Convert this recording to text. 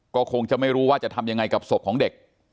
ก็คงจะไม่รู้ว่าจะทำยังไงกับศพของเด็ก